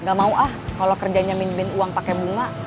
nggak mau ah kalau kerjanya min min uang pake bunga